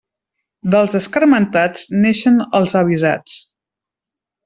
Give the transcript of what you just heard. Dels escarmentats naixen els avisats.